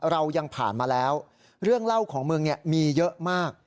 เรายังผ่านมาแล้วเรื่องเล่าของมึงมีเยอะมาก